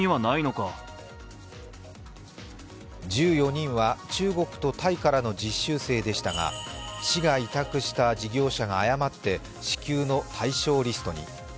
１４人は中国とタイからの実習生でしたが市が委託した事業者が誤って支給の対象リストに。